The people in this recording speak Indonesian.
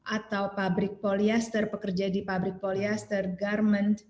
atau pabrik polyester pekerja di pabrik polyester garmen